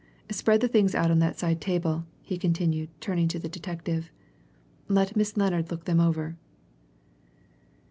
Spread the things out on that side table," he continued, turning to the detective. "Let Miss Lennard look them over."